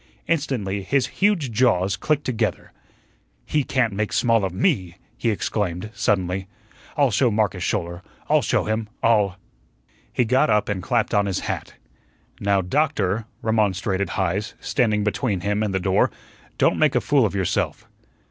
Instantly his huge jaws clicked together. "He can't make small of ME," he exclaimed, suddenly. "I'll show Marcus Schouler I'll show him I'll " He got up and clapped on his hat. "Now, Doctor," remonstrated Heise, standing between him and the door, "don't go make a fool of yourself."